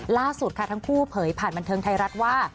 ล่าสุดค่ะทั้งคู่เผยผ่านบันเทิงไทยรัฐว่า